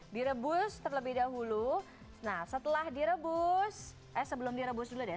direbus terlebih dahulu nah setelah direbus eh sebelum direbus dulu deh